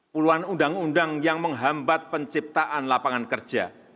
puluhan undang undang yang menghambat penciptaan lapangan kerja